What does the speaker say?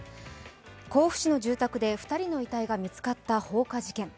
甲府市の住宅で２人の遺体が見つかった放火事件。